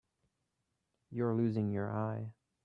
You're losing your eye.